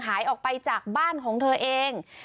หายออกไปจากบ้านของเธอเอง